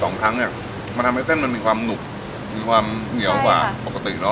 สองครั้งเนี้ยมันทำให้เส้นมันมีความหนุกมีความเหนียวกว่าปกติเนอ